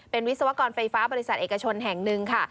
เป็นวิศวกรไฟฟ้าบริษัทเอกชนแห่งหนึ่งค่ะ